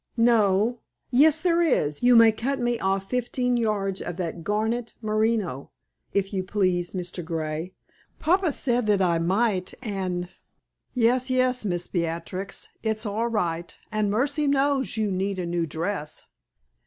"No. Yes, there is. You may cut me off fifteen yards of that garnet merino, if you please, Mr. Grey. Papa said that I might, and " "Yes, yes, Miss Beatrix; it's all right. And mercy knows you need a new dress!